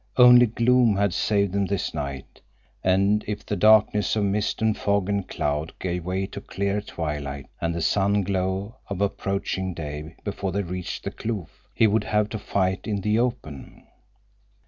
Only gloom had saved them this night, and if the darkness of mist and fog and cloud gave way to clear twilight and the sun glow of approaching day before they reached the kloof he would have to fight in the open.